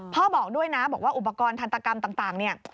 บอกด้วยนะบอกว่าอุปกรณ์ทันตกรรมต่างเนี่ย